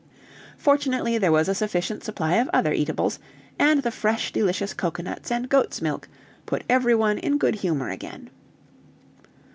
Fortunately there was a sufficient supply of other eatables, and the fresh, delicious cocoanuts and goat's milk put every one in good humor again.